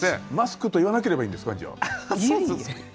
「マスク」と言わなければいいんですかじゃあ。